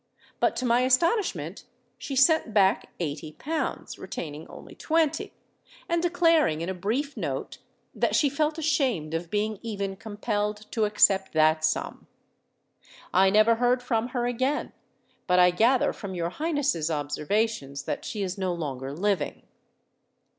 But to my astonishment she sent back eighty pounds—retaining only twenty, and declaring in a brief note that she felt ashamed of being even compelled to accept that sum. I never heard from her again; but I gather from your Highness's observations that she is no longer living!"